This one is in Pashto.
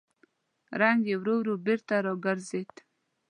رنګ يې ورو ورو بېرته راوګرځېد.